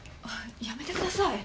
やめてください。